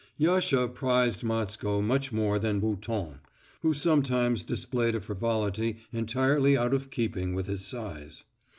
Yasha prized Matsko much more than Bouton, who sometimes displayed a frivolity entirely out of keeping with his size.